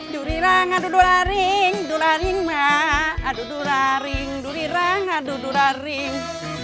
durirang adu duraring duraring emak adu duraring durirang adu duraring